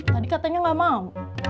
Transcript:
tadi katanya gamau